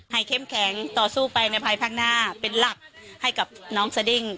เข้มแข็งต่อสู้ไปในภายภาคหน้าเป็นหลักให้กับน้องสดิ้ง